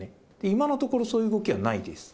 今のところ、そういう動きはないです。